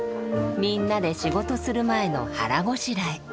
みんなで仕事する前の腹ごしらえ。